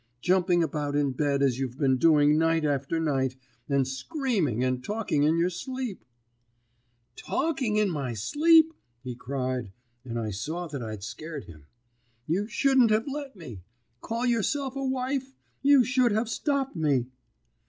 Jumping about in bed as you've been doing night after night, and screaming and talking in your sleep ' "'Talking in my sleep!' he cried, and I saw that I'd scared him. 'You shouldn't have let me! Call yourself a wife? You should have stopped me!'